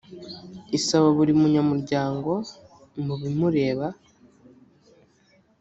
isaba buri munyamuryango mu bimureba